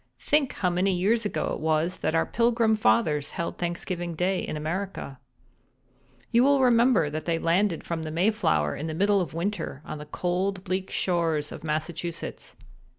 Think how many years ago it was that our Pilgrim Fathers held Thanksgiving Day in America. "You will remember that they landed from the Mayflower in the middle of winter on the cold bleak shores of Massachusetts.